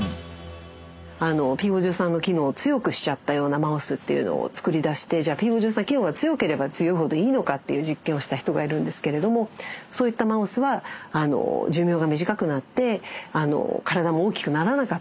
ｐ５３の機能を強くしちゃったようなマウスっていうのをつくり出してじゃあｐ５３機能が強ければ強いほどいいのかっていう実験をした人がいるんですけれどもそういったマウスは寿命が短くなってからだも大きくならなかったりするんですね。